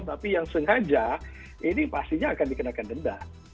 tapi yang sengaja ini pastinya akan dikenakan denda